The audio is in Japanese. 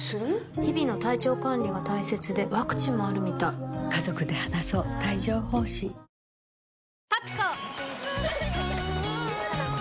日々の体調管理が大切でワクチンもあるみたいはいよ。